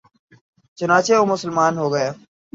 چنانچہ وہ مسلمان ہو گیا